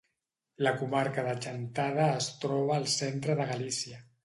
La comarca de Chantada es troba al centre de Galícia.